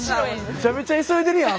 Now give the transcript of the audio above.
めちゃめちゃ急いでるやん